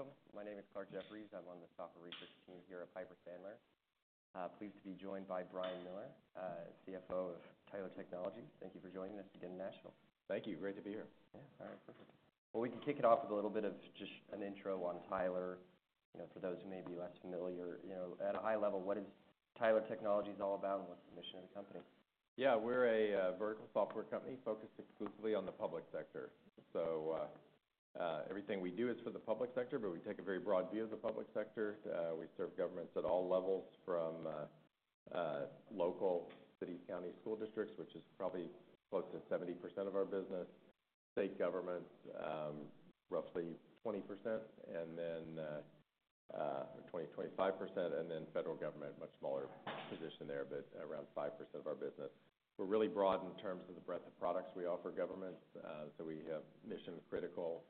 Welcome. My name is Clarke Jeffries. I'm on the software research team here at Piper Sandler. Pleased to be joined by Brian Miller, CFO of Tyler Technologies. Thank you for joining us again in Nashville. Thank you. Great to be here. Yeah. All right, perfect. Well, we can kick it off with a little bit of just an intro on Tyler, you know, for those who may be less familiar. You know, at a high level, what is Tyler Technologies all about, and what's the mission of the company? Yeah, we're a vertical software company focused exclusively on the public sector. So, everything we do is for the public sector, but we take a very broad view of the public sector. We serve governments at all levels from local city, county school districts, which is probably close to 70% of our business. State government, roughly 20%, and then 20-25%. And then federal government, much smaller position there, but around 5% of our business. We're really broad in terms of the breadth of products we offer governments. So we have mission-critical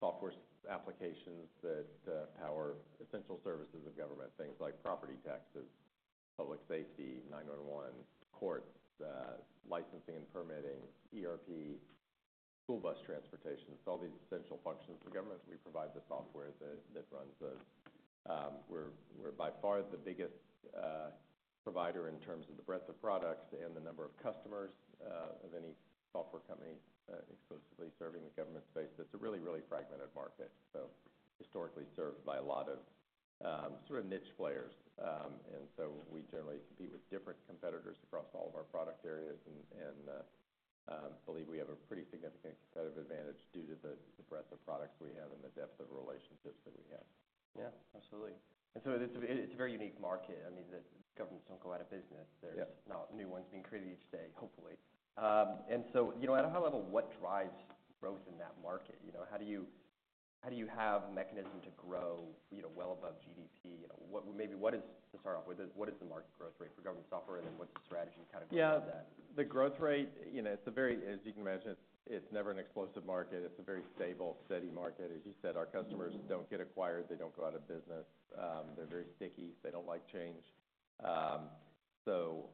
software applications that power essential services of government. Things like property taxes, public safety, 911, courts, licensing and permitting, ERP, school bus transportation. So all these essential functions of government, we provide the software that runs those. We're by far the biggest provider in terms of the breadth of products and the number of customers of any software company exclusively serving the government space. It's a really, really fragmented market, so historically served by a lot of sort of niche players. And so we generally compete with different competitors across all of our product areas and believe we have a pretty significant competitive advantage due to the breadth of products we have and the depth of relationships that we have. Yeah, absolutely, and so it's, it's a very unique market. I mean, the governments don't go out of business. Yeah. There's not new ones being created each day, hopefully. And so, you know, at a high level, what drives growth in that market? You know, how do you have a mechanism to grow, you know, well above GDP? You know, what is, to start off, what is the market growth rate for government software, and then what's the strategy kind of going on that? Yeah. The growth rate, you know, it's a very. As you can imagine, it's never an explosive market. It's a very stable, steady market. As you said, our customers don't get acquired. They don't go out of business. They're very sticky. They don't like change. So,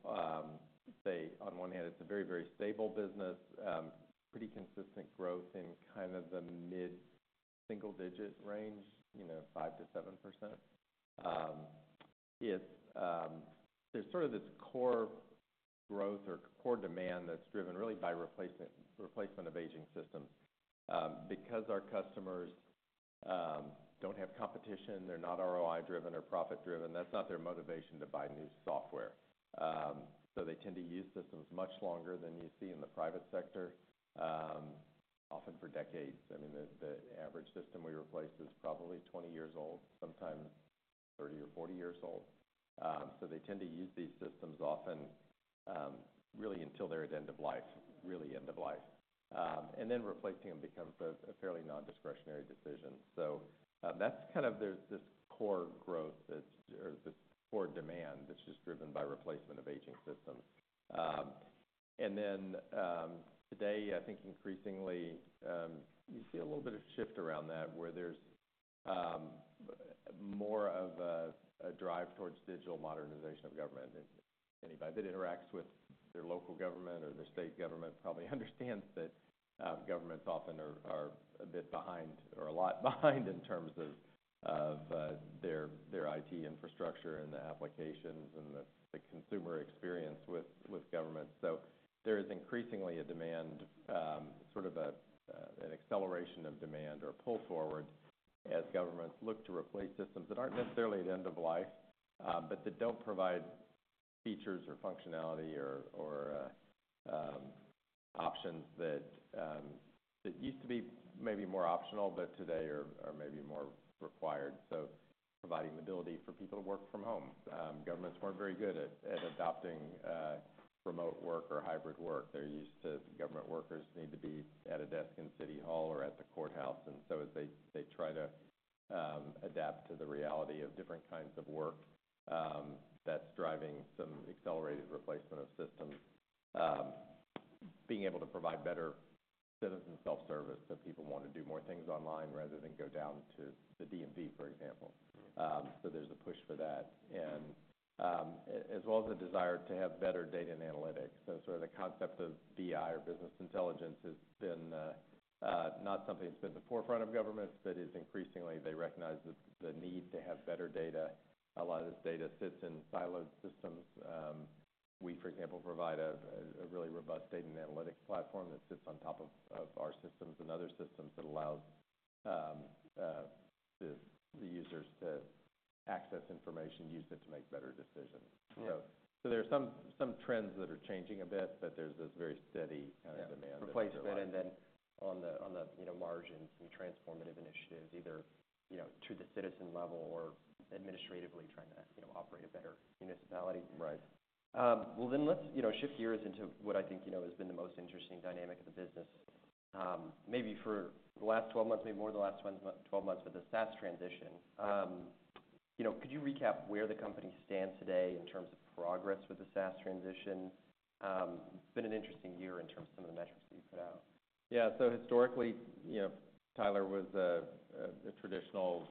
they on one hand, it's a very, very stable business. Pretty consistent growth in kind of the mid-single digit range, you know, 5%-7%. It's, there's sort of this core growth or core demand that's driven really by replacement of aging systems. Because our customers don't have competition, they're not ROI-driven or profit-driven, that's not their motivation to buy new software. So they tend to use systems much longer than you see in the private sector, often for decades. I mean, the average system we replace is probably 20 years old, sometimes 30 or 40 years old. So they tend to use these systems often, really until they're at end of life, really end of life. And then replacing them becomes a fairly non-discretionary decision. So that's kind of there's this core growth that's, or this core demand that's just driven by replacement of aging systems. And then today, I think increasingly, you see a little bit of shift around that, where there's more of a drive towards digital modernization of government. And anybody that interacts with their local government or their state government probably understands that governments often are a bit behind or a lot behind in terms of their IT infrastructure and the applications and the consumer experience with government. So there is increasingly a demand sort of an acceleration of demand or pull forward as governments look to replace systems that aren't necessarily at end of life but that don't provide features or functionality or options that used to be maybe more optional but today are maybe more required. So providing the ability for people to work from home. Governments weren't very good at adopting remote work or hybrid work. They're used to government workers need to be at a desk in city hall or at the courthouse, and so as they try to adapt to the reality of different kinds of work, that's driving some accelerated replacement of systems. Being able to provide better citizen self-service, so people want to do more things online rather than go down to the DMV, for example. So there's a push for that, and as well as a desire to have better data and analytics. So sort of the concept of BI, or business intelligence, has been not something that's been at the forefront of governments, but increasingly they recognize the need to have better data. A lot of this data sits in siloed systems. We, for example, provide a really robust data and analytics platform that sits on top of our systems and other systems that allows the users to access information, use it to make better decisions. Yeah. There are some trends that are changing a bit, but there's this very steady kind of demand- Replacement, and then on the, you know, margins, some transformative initiatives either, you know, to the citizen level or administratively trying to, you know, operate a better municipality. Right. Well, then, let's, you know, shift gears into what I think, you know, has been the most interesting dynamic of the business, maybe for the last twelve months, maybe more than the last twelve months, with the SaaS transition. You know, could you recap where the company stands today in terms of progress with the SaaS transition? It's been an interesting year in terms of some of the metrics that you put out. Yeah. So historically, you know, Tyler was a traditional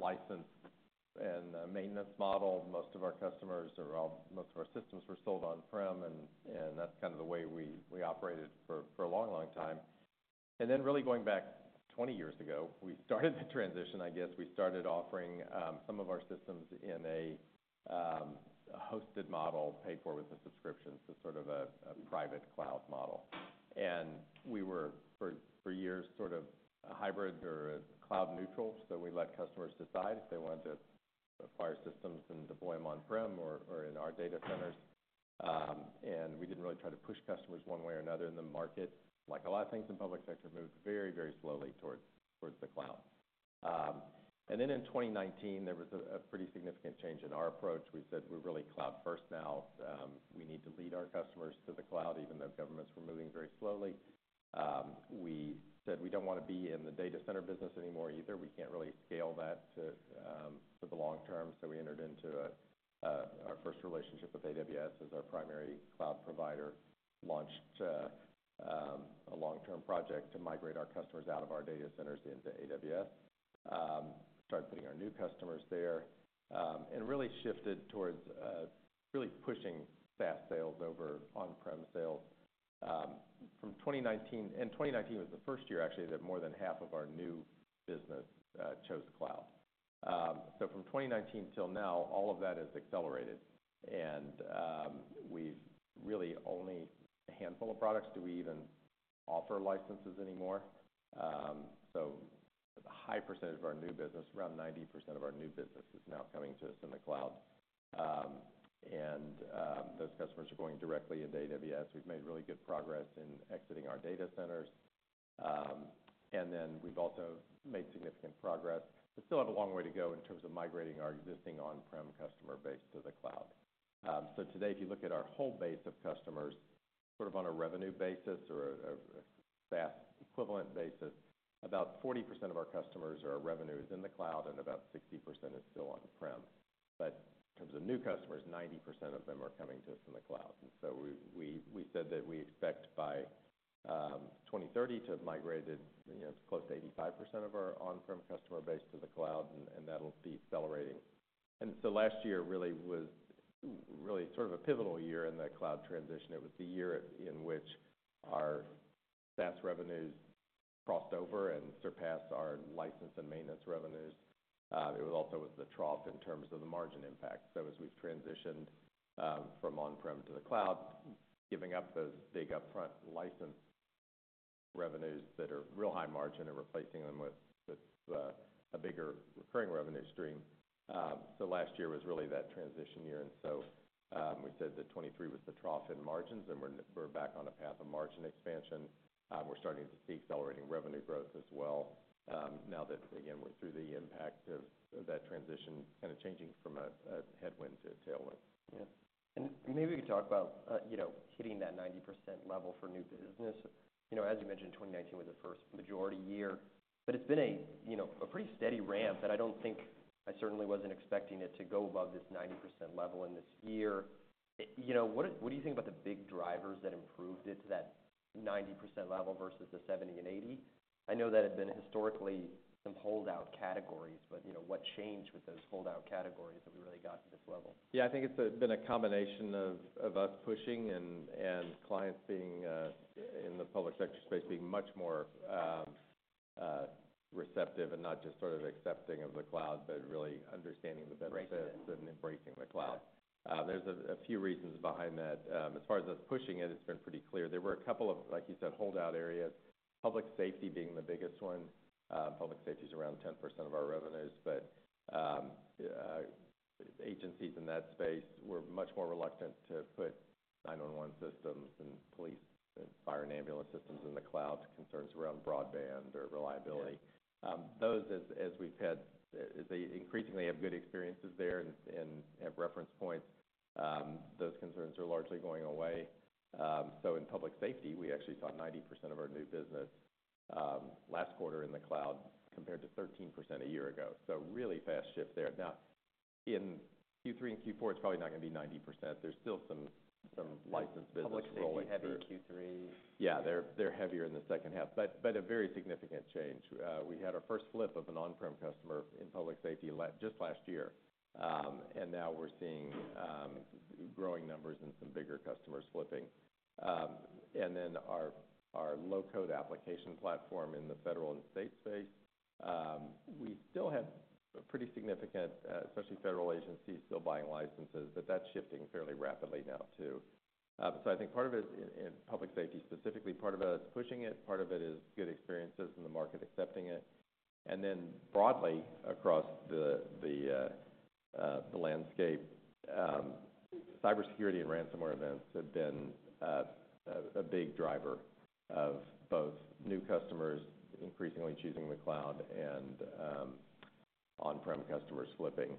licensed and a maintenance model. Most of our systems were sold on-prem, and that's kind of the way we operated for a long time. And then really going back twenty years ago, we started the transition, I guess. We started offering some of our systems in a hosted model, paid for with a subscription to sort of a private cloud model. And we were, for years, sort of a hybrid or a cloud neutral. So we let customers decide if they wanted to acquire systems and deploy them on-prem or in our data centers. And we didn't really try to push customers one way or another in the market. Like a lot of things in public sector, moved very, very slowly towards the cloud. And then in 2019, there was a pretty significant change in our approach. We said we're really cloud first now. We need to lead our customers to the cloud, even though governments were moving very slowly. We said we don't want to be in the data center business anymore either. We can't really scale that to for the long term. So we entered into our first relationship with AWS as our primary cloud provider, launched a long-term project to migrate our customers out of our data centers into AWS. Started putting our new customers there, and really shifted towards really pushing SaaS sales over on-prem sales. From twenty nineteen—and twenty nineteen was the first year, actually, that more than half of our new business chose the cloud. So from twenty nineteen till now, all of that has accelerated, and we've really only a handful of products do we even offer licenses anymore. So a high percentage of our new business, around 90% of our new business, is now coming to us in the cloud. And, those customers are going directly into AWS. We've made really good progress in exiting our data centers. And then we've also made significant progress, but still have a long way to go in terms of migrating our existing on-prem customer base to the cloud. Today, if you look at our whole base of customers, sort of on a revenue basis or a SaaS equivalent basis, about 40% of our customers or our revenue is in the cloud, and about 60% is still on-prem, but in terms of new customers, 90% of them are coming to us in the cloud, and so we said that we expect by 2030 to have migrated, you know, close to 85% of our on-prem customer base to the cloud, and that'll be accelerating, and so last year really was sort of a pivotal year in that cloud transition. It was the year in which our SaaS revenues crossed over and surpassed our license and maintenance revenues. It was also the trough in terms of the margin impact. As we've transitioned from on-prem to the cloud, giving up those big upfront license revenues that are real high margin and replacing them with a bigger recurring revenue stream. Last year was really that transition year, and we said that 2023 was the trough in margins, and we're back on a path of margin expansion. We're starting to see accelerating revenue growth as well, now that, again, we're through the impact of that transition, kind of changing from a headwind to a tailwind. Yeah. And maybe we could talk about, you know, hitting that 90% level for new business. You know, as you mentioned, 2019 was the first majority year, but it's been a, you know, a pretty steady ramp, and I don't think... I certainly wasn't expecting it to go above this 90% level in this year. It... you know, what, what do you think about the big drivers that improved it to that 90% level versus the 70 and 80? I know that had been historically some holdout categories, but, you know, what changed with those holdout categories that we really got to this level? Yeah, I think it's been a combination of us pushing and clients being in the public sector space, being much more receptive and not just sort of accepting of the cloud, but really understanding the benefits- Embracing it. - and embracing the cloud. Yeah. There's a few reasons behind that. As far as us pushing it, it's been pretty clear. There were a couple of, like you said, holdout areas, public safety being the biggest one. Public safety is around 10% of our revenues, but agencies in that space were much more reluctant to put 911 systems and police and fire and ambulance systems in the cloud, concerns around broadband or reliability. Yeah. Those, as we've had, they increasingly have good experiences there and have reference points, those concerns are largely going away. So in public safety, we actually saw 90% of our new business last quarter in the cloud, compared to 13% a year ago. So really fast shift there. Now, in Q3 and Q4, it's probably not gonna be 90%. There's still some licensed business rolling through. Public safety, heavy in Q3. Yeah, they're, they're heavier in the second half, but, but a very significant change. We had our first flip of an on-prem customer in public safety just last year. And now we're seeing growing numbers and some bigger customers flipping. And then our, our low-code application platform in the federal and state space, we still have a pretty significant, especially federal agencies, still buying licenses, but that's shifting fairly rapidly now, too. So I think part of it, in public safety specifically, part of it is pushing it, part of it is good experiences and the market accepting it. And then broadly, across the landscape, cybersecurity and ransomware events have been a big driver of both new customers increasingly choosing the cloud and on-prem customers flipping.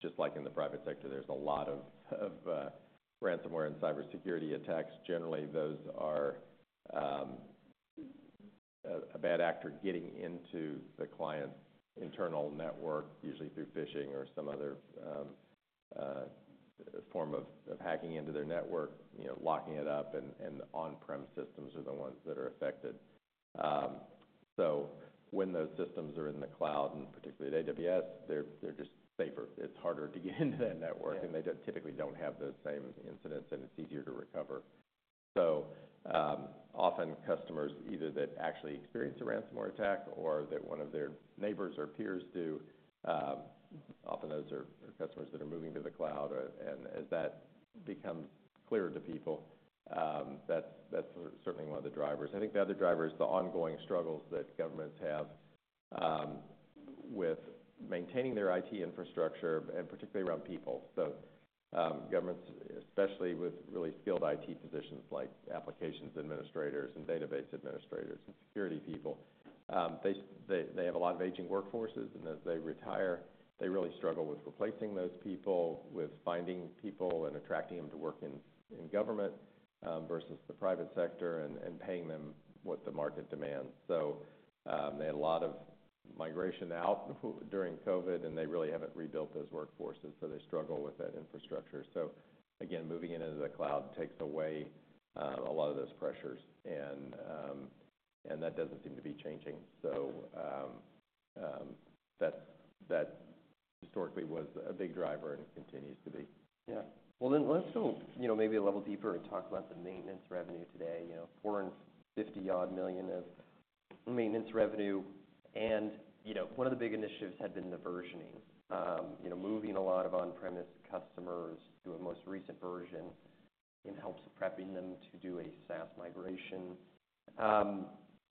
Just like in the private sector, there's a lot of ransomware and cybersecurity attacks. Generally, those are a bad actor getting into the client's internal network, usually through phishing or some other hacking into their network, you know, locking it up, and the on-prem systems are the ones that are affected, so when those systems are in the cloud, and particularly at AWS, they're just safer. It's harder to get into that network- Yeah. - and they just typically don't have those same incidents, and it's easier to recover. So, often customers, either that actually experience a ransomware attack or that one of their neighbors or peers do, often those are customers that are moving to the cloud. And as that becomes clearer to people, that's certainly one of the drivers. I think the other driver is the ongoing struggles that governments have, with maintaining their IT infrastructure, and particularly around people. So, governments, especially with really skilled IT positions, like applications administrators, and database administrators, and security people, they have a lot of aging workforces, and as they retire, they really struggle with replacing those people, with finding people and attracting them to work in government, versus the private sector, and paying them what the market demands. So, they had a lot of migration out during COVID, and they really haven't rebuilt those workforces, so they struggle with that infrastructure. So again, moving it into the cloud takes away a lot of those pressures, and that doesn't seem to be changing. So, that historically was a big driver and continues to be. Yeah. Well, then let's go, you know, maybe a level deeper and talk about the maintenance revenue today. You know, $450-odd million of maintenance revenue. And, you know, one of the big initiatives had been the versioning. You know, moving a lot of on-premise customers to a most recent version and helps prepping them to do a SaaS migration.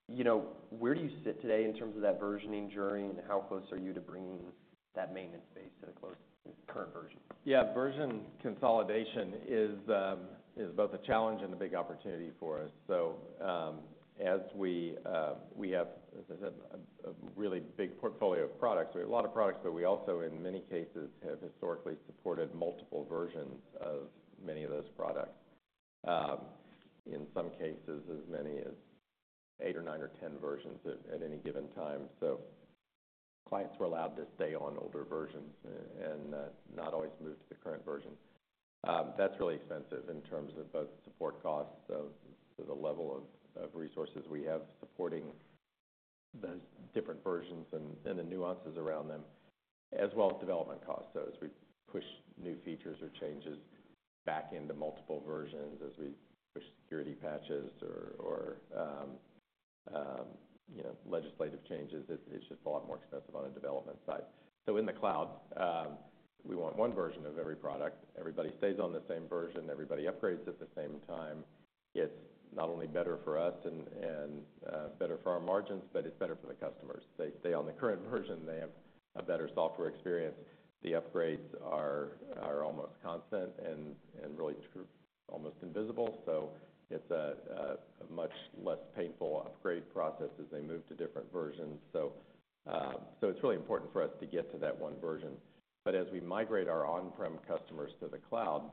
You know, where do you sit today in terms of that versioning journey, and how close are you to bringing that maintenance base to the close-current version? Yeah, version consolidation is both a challenge and a big opportunity for us. So, as we have, as I said, a really big portfolio of products. We have a lot of products, but we also, in many cases, have historically supported multiple versions of many of those products. In some cases, as many as eight or nine or 10 versions at any given time. So clients were allowed to stay on older versions and not always move to the current version. That's really expensive in terms of both support costs to the level of resources we have supporting those different versions and the nuances around them, as well as development costs. So as we push new features or changes back into multiple versions, as we push security patches or you know, legislative changes, it's just a lot more expensive on a development side. So in the cloud, we want one version of every product. Everybody stays on the same version, everybody upgrades at the same time. It's not only better for us and better for our margins, but it's better for the customers. They stay on the current version, they have a better software experience. The upgrades are almost constant and really almost invisible, so it's a much less painful upgrade process as they move to different versions. So it's really important for us to get to that one version. But as we migrate our on-prem customers to the cloud,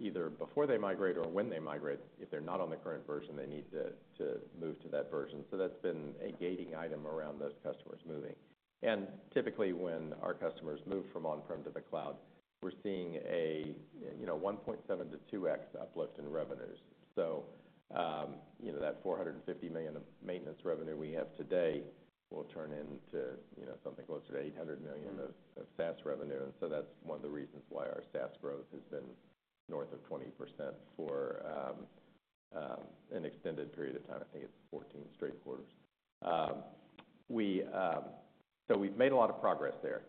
either before they migrate or when they migrate, if they're not on the current version, they need to move to that version. So that's been a gating item around those customers moving. And typically, when our customers move from on-prem to the cloud, we're seeing a you know, 1.7 to 2X uplift in revenues. So, you know, that $450 million of maintenance revenue we have today will turn into, you know, something closer to $800 million of SaaS revenue, and so that's one of the reasons why our SaaS growth has been north of 20% for an extended period of time. I think it's 14 straight quarters. So we've made a lot of progress there.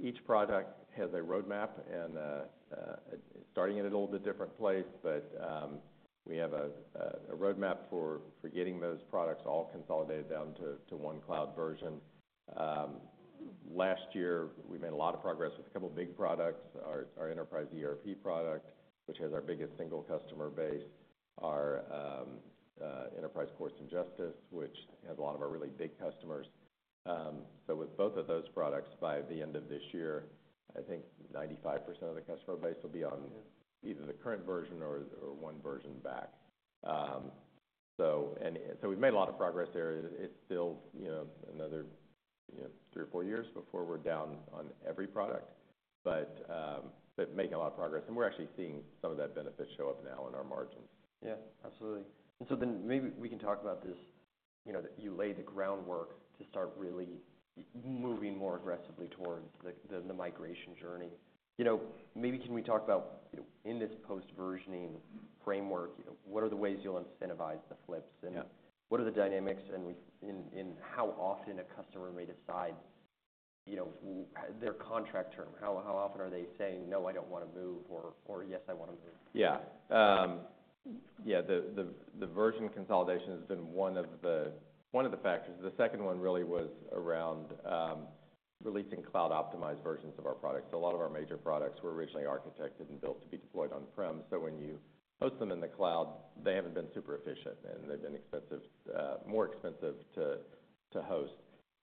Each product has a roadmap, and it's starting in a little bit different place, but we have a roadmap for getting those products all consolidated down to one cloud version. Last year, we made a lot of progress with a couple of big products. Our Enterprise ERP product, which has our biggest single customer base, our Enterprise Courts and Justice, which has a lot of our really big customers. So with both of those products, by the end of this year, I think 95% of the customer base will be on either the current version or one version back. So, and so we've made a lot of progress there. It's still, you know, another, you know, three or four years before we're down on every product. But, but making a lot of progress, and we're actually seeing some of that benefit show up now in our margins. Yeah, absolutely. And so then maybe we can talk about this, you know, that you laid the groundwork to start really moving more aggressively towards the migration journey. You know, maybe can we talk about, you know, in this post-versioning framework, you know, what are the ways you'll incentivize the flips? Yeah. What are the dynamics in how often a customer may decide, you know, their contract term? How often are they saying, "No, I don't want to move," or "Yes, I want to move? Yeah. Yeah, the version consolidation has been one of the factors. The second one really was around releasing cloud-optimized versions of our products. A lot of our major products were originally architected and built to be deployed on-prem, so when you host them in the cloud, they haven't been super efficient, and they've been expensive, more expensive to host.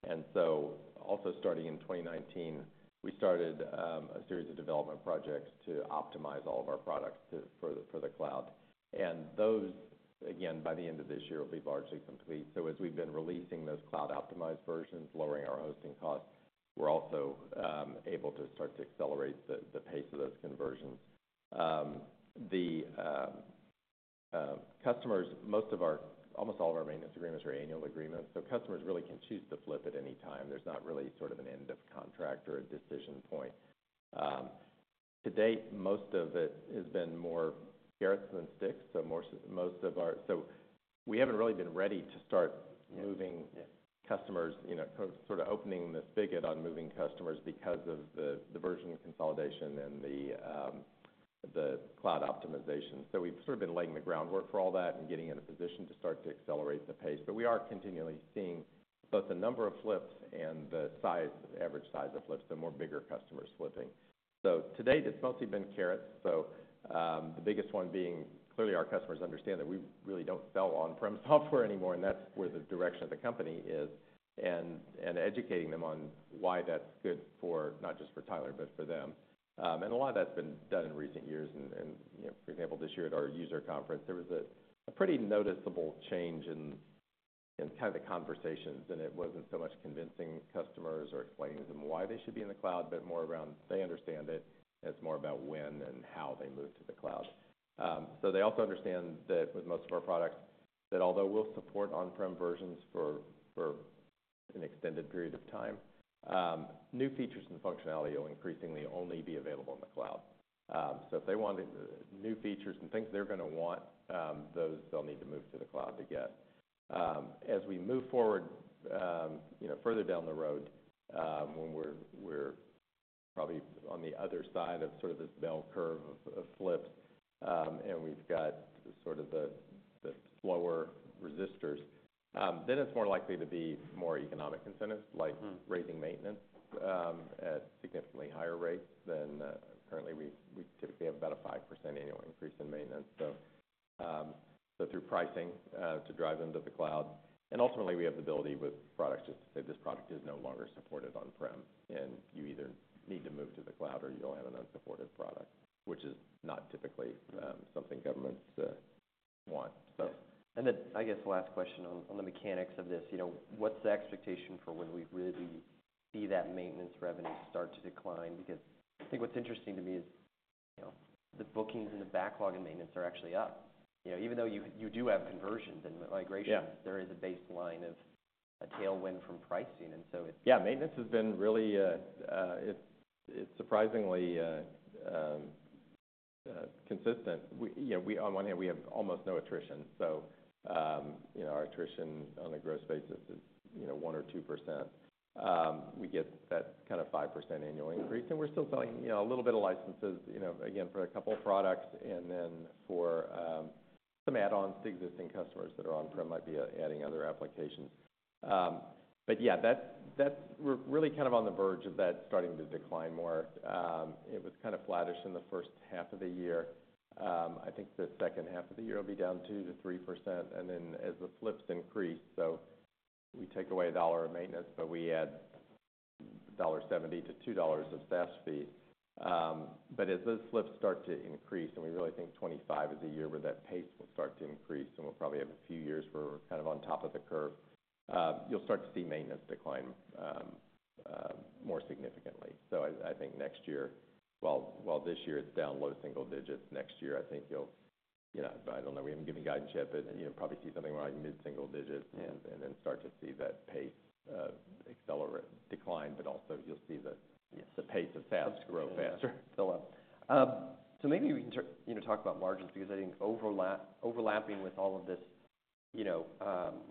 And so also starting in 2019, we started a series of development projects to optimize all of our products for the cloud. And those, again, by the end of this year, will be largely complete. So as we've been releasing those cloud-optimized versions, lowering our hosting costs, we're also able to start to accelerate the pace of those conversions. customers, almost all of our maintenance agreements are annual agreements, so customers really can choose to flip at any time. There's not really sort of an end of contract or a decision point. To date, most of it has been more carrots than sticks, so most of our, so we haven't really been ready to start moving. Yeah. customers, you know, sort of opening the spigot on moving customers because of the version consolidation and the cloud optimization. So we've sort of been laying the groundwork for all that and getting in a position to start to accelerate the pace. But we are continually seeing both the number of flips and the size, the average size of flips, the more bigger customers flipping. So to date, it's mostly been carrots. So, the biggest one being, clearly, our customers understand that we really don't sell on-premise software anymore, and that's where the direction of the company is, and educating them on why that's good for, not just for Tyler, but for them. A lot of that's been done in recent years, and you know, for example, this year at our user conference, there was a pretty noticeable change in kind of the conversations, and it wasn't so much convincing customers or explaining to them why they should be in the cloud, but more around they understand it, and it's more about when and how they move to the cloud, so they also understand that with most of our products, although we'll support on-prem versions for an extended period of time, new features and functionality will increasingly only be available in the cloud, so if they want the new features and things, they're gonna want those, they'll need to move to the cloud to get. As we move forward, you know, further down the road, when we're probably on the other side of sort of this bell curve of flips, and we've got sort of the slower resisters, then it's more likely to be more economic incentives like raising maintenance at significantly higher rates than currently we typically have about a 5% annual increase in maintenance. So through pricing to drive them to the cloud, and ultimately, we have the ability with products to say, "This product is no longer supported on-prem, and you either need to move to the cloud or you'll have an unsupported product," which is not typically something governments want, so. Yeah. And then, I guess the last question on the mechanics of this, you know, what's the expectation for when we really see that maintenance revenue start to decline? Because I think what's interesting to me is, you know, the bookings and the backlog in maintenance are actually up. You know, even though you do have conversions and migrations- Yeah. there is a baseline of a tailwind from pricing, and so it- Yeah, maintenance has been really surprisingly consistent. You know, we, on one hand, we have almost no attrition, so you know, our attrition on a gross basis is, you know, 1% or 2%. We get that kind of 5% annual increase, and we're still selling, you know, a little bit of licenses, you know, again, for a couple of products and then for some add-ons to existing customers that are on-prem, might be adding other applications. But yeah, that's - we're really kind of on the verge of that starting to decline more. It was kind of flattish in the first half of the year. I think the second half of the year will be down 2-3%, and then as the flips increase, so we take away $1 of maintenance, but we add $1.70-$2 of SaaS fee. But as those flips start to increase, and we really think 2025 is the year where that pace will start to increase, and we'll probably have a few years where we're kind of on top of the curve, you'll start to see maintenance decline more significantly. So I think next year. Well, while this year, it's down low single digits, next year, I think you'll, you know... I don't know. We haven't given guidance yet, but you'll probably see something around mid-single digits. Yeah. Then start to see that pace accelerate, decline, but also you'll see the- Yes The pace of SaaS grow faster. So, maybe you can sort of, you know, talk about margins, because I think overlapping with all of this, you know,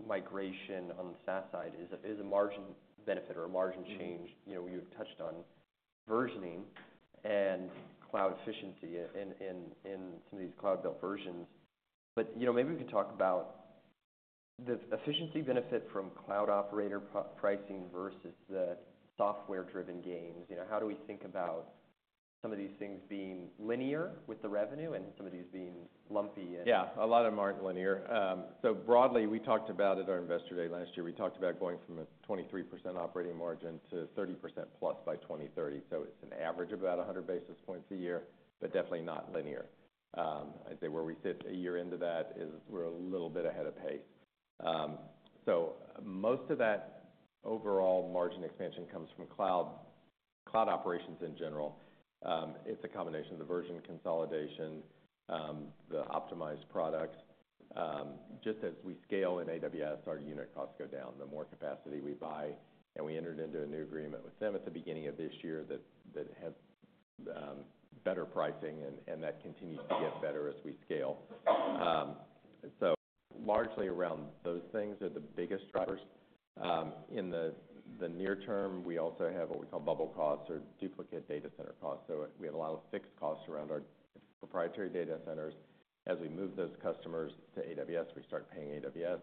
migration on the SaaS side is a margin benefit or a margin change. Mm-hmm. You know, you've touched on versioning and cloud efficiency in some of these cloud built versions. But, you know, maybe we could talk about the efficiency benefit from cloud operator pricing versus the software-driven gains. You know, how do we think about some of these things being linear with the revenue and some of these being lumpy and- Yeah, a lot of them aren't linear. So broadly, we talked about at our Investor Day last year, we talked about going from a 23% operating margin to 30% plus by 2030. So it's an average of about 100 basis points a year, but definitely not linear. I'd say where we sit a year into that is we're a little bit ahead of pace. So most of that overall margin expansion comes from cloud, cloud operations in general. It's a combination of the version consolidation, the optimized products. Just as we scale in AWS, our unit costs go down, the more capacity we buy, and we entered into a new agreement with them at the beginning of this year that have better pricing and that continues to get better as we scale. Largely around those things are the biggest drivers. In the near term, we also have what we call bubble costs or duplicate data center costs. So we had a lot of fixed costs around our proprietary data centers. As we move those customers to AWS, we start paying AWS,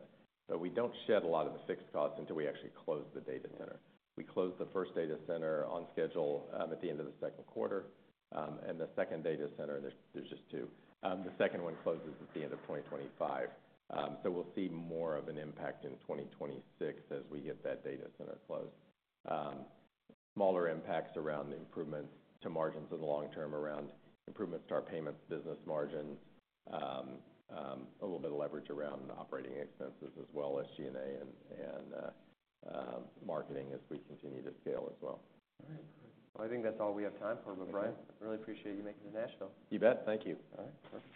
but we don't shed a lot of the fixed costs until we actually close the data center. We closed the first data center on schedule at the end of the second quarter, and the second data center, there's just two. The second one closes at the end of 2025, so we'll see more of an impact in 2026 as we get that data center closed. Smaller impacts around the improvements to margins in the long term, around improvements to our payments business margins, a little bit of leverage around operating expenses as well as G&A and marketing as we continue to scale as well. All right. Well, I think that's all we have time for. But, Brian, I really appreciate you making it to Nashville. You bet. Thank you. All right, thanks.